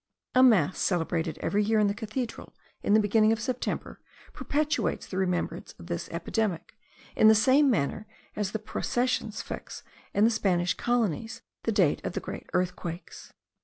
A mass celebrated every year in the cathedral, in the beginning of September, perpetuates the remembrance of this epidemic, in the same manner as processions fix, in the Spanish colonies, the date of the great earthquakes.